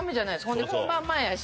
ほんで本番前やし。